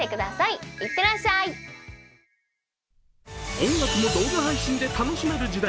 音楽も動画配信で楽しめる時代。